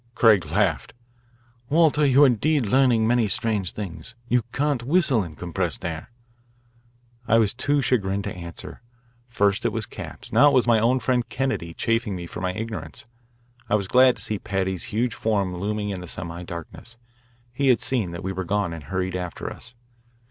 Craig laughed. "Walter, you are indeed learning many strange things. You can't whistle in compressed air. I was too chagrined to answer. First it was Capps; now it was my own friend Kennedy chaffing me for my ignorance. I was glad to see Paddy's huge form looming in the semi darkness. He had seen that we were gone and hurried after us.